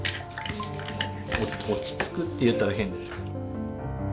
落ち着くって言ったら変ですけど。